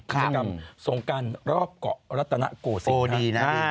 กิจกรรมสงการรอบเกาะรัตนโกสิน